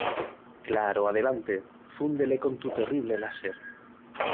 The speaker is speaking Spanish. Claro, adelante. Fúndele con tu terrible láser .